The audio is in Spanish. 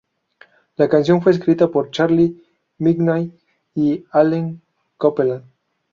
La canción fue escrita por Charlie Midnight y Allen Copeland.